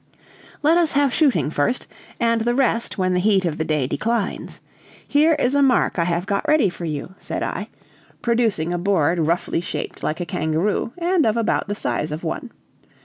"Let us have shooting first, and the rest when the heat of the day declines. Here is a mark I have got ready for you," said I, producing a board roughly shaped like a kangaroo, and of about the size of one.